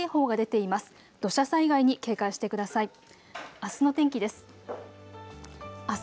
あすの天気です。